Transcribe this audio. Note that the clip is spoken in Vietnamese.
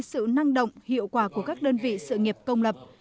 sự năng động hiệu quả của các đơn vị sự nghiệp công lập